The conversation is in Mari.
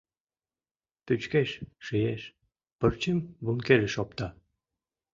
Пӱчкеш, шиеш, пырчым бункерыш опта